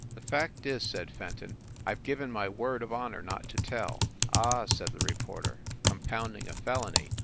"The fact is," said Fenton, "I ve given my word of honor not to tell." "Ah," said the reporter, "compounding a felony?